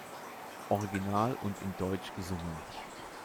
Original und in deutsch gesungen.